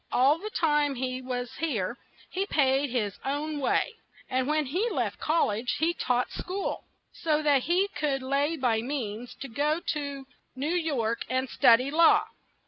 All the time he was here he paid his own way, and when he left Col lege he taught school, so that he could lay by means to go to New York and stud y law.